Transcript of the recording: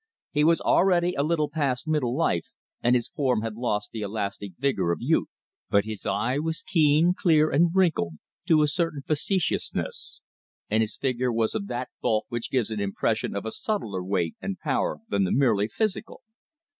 He was already a little past middle life, and his form had lost the elastic vigor of youth. But his eye was keen, clear, and wrinkled to a certain dry facetiousness; and his figure was of that bulk which gives an impression of a subtler weight and power than the merely physical.